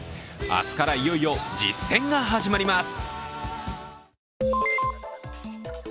明日からいよいよ実戦が始まります。